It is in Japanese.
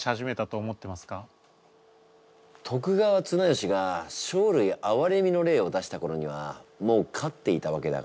徳川綱吉が生類憐みの令を出した頃にはもう飼っていたわけだから。